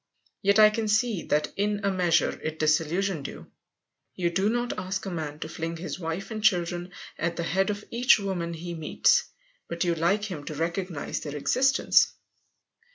Yet I can see that in a measure it disillusioned you. You do not ask a man to fling his wife and children at the head of each woman he meets, but you like him to recognize their existence.